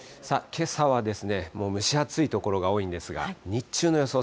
けさは蒸し暑い所が多いんですが、日中の予想